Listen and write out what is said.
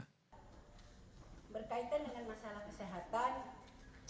berkaitan dengan masalah kesehatan